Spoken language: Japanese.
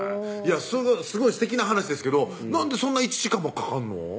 すごいすてきな話ですけどなんでそんな１時間もかかんの？